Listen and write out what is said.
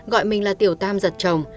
gọi mình là tiểu tam giật chồng